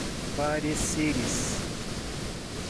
pareceres